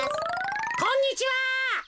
こんにちは！